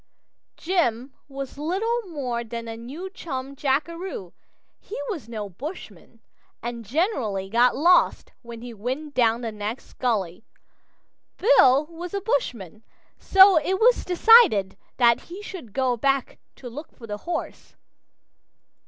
Jim was little more than a new chum jackaroo; he was no bushman and generally got lost when he went down the next gully. Bill was a bushman, so it was decided that he should go back to look for the horse.